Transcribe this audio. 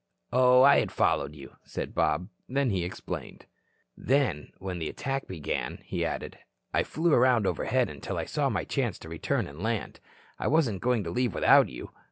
"Oh, I had followed you," said Bob. Then he explained. "Then when the attack began," he added, "I flew around overhead until I saw my chance to return and land. I wasn't going to leave without you.